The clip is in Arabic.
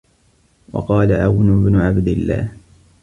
وَقَالَ عَوْنُ بْنُ عَبْدِ اللَّهِ